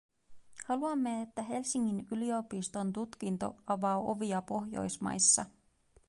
Haluamme, että Helsingin yliopiston tutkinto avaa ovia Pohjoismaissa.